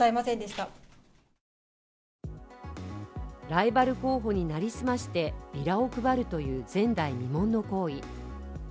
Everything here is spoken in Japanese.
ライバル候補に成り済ましてビラを配るという前代未聞の行為。